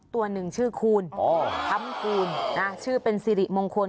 ตัวหนึ่งชื่อคูณคำคูณนะชื่อเป็นสิริมงคล